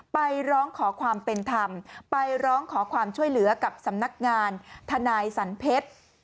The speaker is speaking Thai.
ไปร้องขอความเป็นธรรมไปร้องขอความช่วยเหลือกับสำนักงานทนายสันเพชร